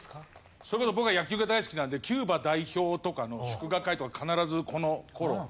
それこそ僕は野球が大好きなのでキューバ代表とかの祝賀会とか必ずこの頃出てて。